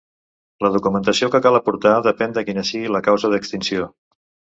La documentació que cal aportar depèn de quina sigui la causa d'extinció.